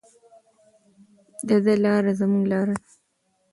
د ده لاره زموږ لاره ده.